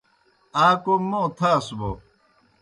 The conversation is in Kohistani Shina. آ کوْم موں تھاس بوْ